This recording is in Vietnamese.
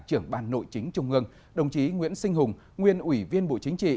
trưởng ban nội chính trung ương đồng chí nguyễn sinh hùng nguyên ủy viên bộ chính trị